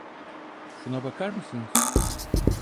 Şuna bakar mısınız?